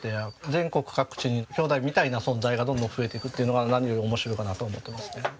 全国各地にきょうだいみたいな存在がどんどん増えていくっていうのが何より面白いかなと思ってますね。